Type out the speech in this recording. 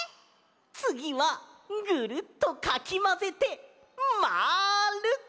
つぎはぐるっとかきまぜてまる！